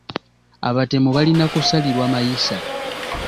Abatemu balina kusalirwa mayisa.